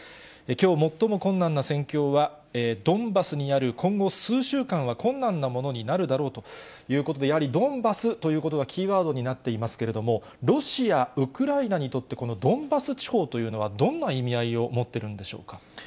きょう最も困難な戦況は、ドンバスにある今後数週間は困難なものになるだろうということで、やはりドンバスということが、キーワードになっていますけれども、ロシア、ウクライナにとって、このドンバス地方というのは、どんな意味合いを持ってるんでしょうか。